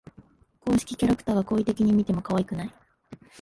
公式キャラクターが好意的に見てもかわいくない